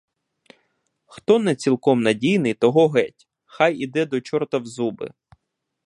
Хто не цілком надійний, того геть, хай іде до чорта в зуби.